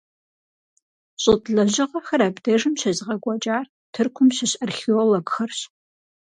ЩӀытӀ лэжьыгъэхэр абдежым щезыгъэкӀуэкӀар Тыркум щыщ археологхэрщ.